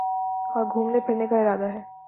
اور گھومنے پھرنے کا ارادہ ہے